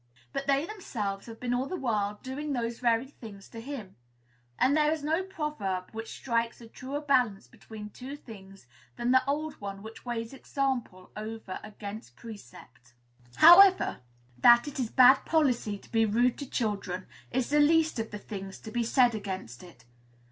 But they themselves have been all the while doing those very things to him; and there is no proverb which strikes a truer balance between two things than the old one which weighs example over against precept. However, that it is bad policy to be rude to children is the least of the things to be said against it.